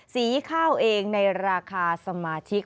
สีข้าวเองในราคาสมาชิก